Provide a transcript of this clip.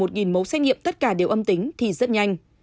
một mẫu xét nghiệm tất cả đều âm tính thì rất nhanh